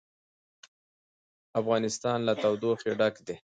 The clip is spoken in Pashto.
افغانستان له تودوخه ډک دی.